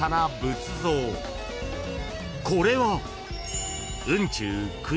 ［これは］